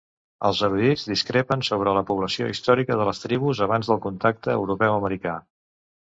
Els erudits discrepen sobre la població històrica de les tribus abans de contacte europeu-americà.